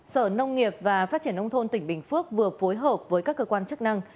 sở nông nghiệp và phát triển nông thôn tỉnh bình phước vừa phối hợp với các cơ quan chức năng